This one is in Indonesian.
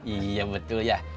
iya betul ya